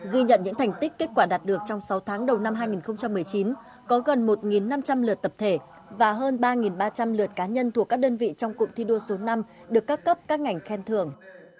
ghi nhận những thành tích kết quả đạt được trong sáu tháng đầu năm hai nghìn một mươi chín có gần một năm trăm linh lượt tập thể và hơn ba ba trăm linh lượt cá nhân thuộc các đơn vị trong cụm thi đua số năm được các cấp các ngành khen thường